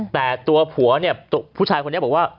แต่ตัวผัวเนี่ยผู้ชายคนนี้บอกว่า